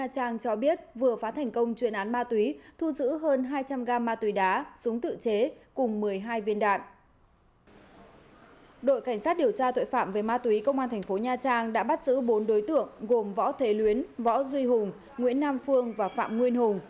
đội cảnh sát điều tra tội phạm về ma túy công an thành phố nha trang đã bắt giữ bốn đối tượng gồm võ thế luyến võ duy hùng nguyễn nam phương và phạm nguyên hùng